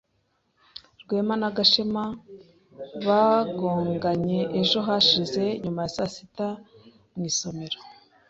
Rwema na Gashema bagonganye ejo hashize nyuma ya saa sita mu isomero.